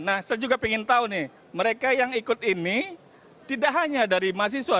nah saya juga ingin tahu nih mereka yang ikut ini tidak hanya dari mahasiswa